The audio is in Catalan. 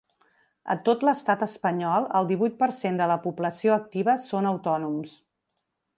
A tot l’estat espanyol, el divuit per cent de la població activa són autònoms.